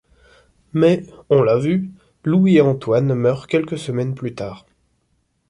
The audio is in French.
Mais, on l’a vu, Louis et Antoine meurent quelques semaines plus tard.